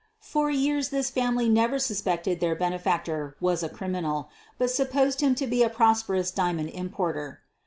For years this family never suspected their bene factor was a criminal, but supposed him to be a prosperous diamond importer.